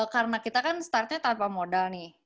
karena kita kan startnya tanpa modal nih